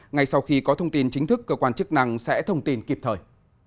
ngay sau khi có thông tin chính thức cơ quan chức năng sẽ thông tin kịp thời